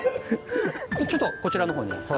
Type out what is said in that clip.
ちょっとこちらの方に。